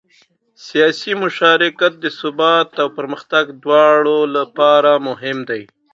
سیاسي مشارکت د ثبات او پرمختګ دواړو لپاره مهم دی